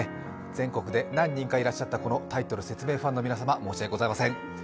全国で何人かいらっしゃったこのタイトル説明ファンの皆様申し訳ございません。